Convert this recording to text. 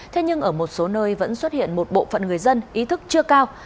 thế nhưng ở một số nơi vẫn xuất hiện một bộ phận người dân ý thức chưa cao